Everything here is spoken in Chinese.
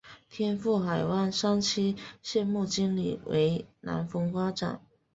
天赋海湾三期项目经理为南丰发展。